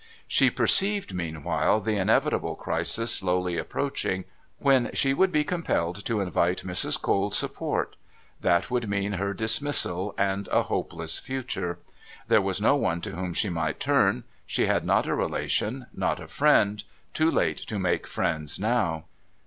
She perceived meanwhile the inevitable crisis slowly approaching, when she would be compelled to invite Mrs. Cole's support. That would mean her dismissal and a hopeless future. There was no one to whom she might turn. She had not a relation, not a friend too late to make friends now.